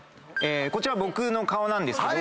こちら僕の顔なんですけど。